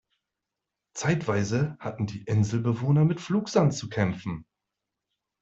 Zeitweise hatten die Inselbewohner mit Flugsand zu kämpfen.